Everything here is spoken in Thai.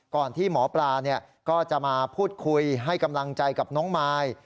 ที่หมอปลาก็จะมาพูดคุยให้กำลังใจกับน้องมาย